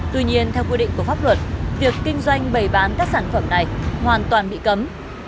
tuy nhiên theo quy định của pháp luật việc kinh doanh bày bán các sản phẩm này hoàn toàn bị cấm